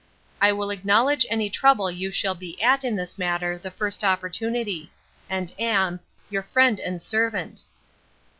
I will acknowledge any trouble you shall be at in this matter the first opportunity; and am 'Your Friend and Servant.